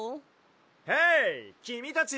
・ヘイきみたち！